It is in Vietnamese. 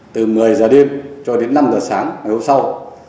từ một mươi giờ đêm cho đến năm h sáng ngày hôm sau